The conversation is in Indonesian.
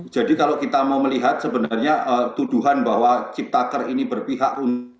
jadi kalau kita mau melihat sebenarnya tuduhan bahwa cipta kerja ini berpihak